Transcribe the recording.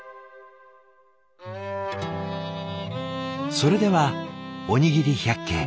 それではおにぎり百景。